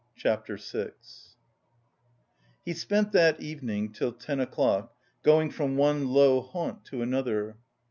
CHAPTER VI He spent that evening till ten o'clock going from one low haunt to another.